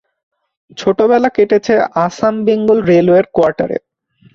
ছোটবেলা কেটেছে আসাম-বেঙ্গল রেলওয়ের কোয়ার্টারে।